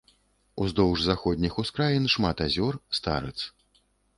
Уздоўж заходніх ускраін шмат азёр, старыц.